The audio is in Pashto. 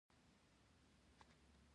د باد لپاره د څه شي چای وڅښم؟